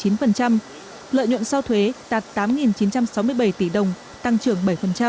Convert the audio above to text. lợi nhuận sau thuế đạt tám chín trăm sáu mươi bảy tỷ đồng tăng trưởng bảy